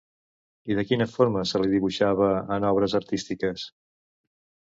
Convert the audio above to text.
I de quina forma se la dibuixava en obres artístiques?